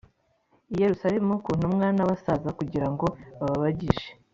i Yerusalemu ku ntumwa n abasaza kugira ngo babagishe